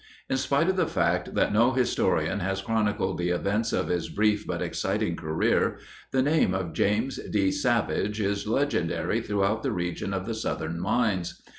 In spite of the fact that no historian has chronicled the events of his brief but exciting career, the name of James D. Savage is legendary throughout the region of the Southern Mines.